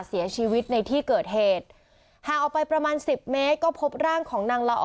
เสียชีวิตในที่เกิดเหตุห่างออกไปประมาณสิบเมตรก็พบร่างของนางละออ